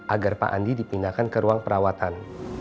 agar pak andi dipindahkan ke ruang perawatan